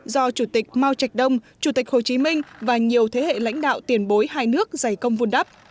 do chủ tịch mao trạch đông chủ tịch hồ chí minh và nhiều thế hệ lãnh đạo tiền bối hai nước giải công vun đắp